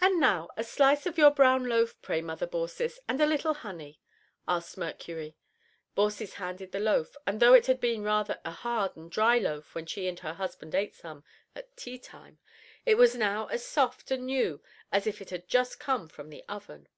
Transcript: "And now, a slice of your brown loaf, pray Mother Baucis, and a little honey," asked Mercury. Baucis handed the loaf, and though it had been rather a hard and dry loaf when she and her husband ate some at tea time, it was now as soft and new as if it had just come from the oven.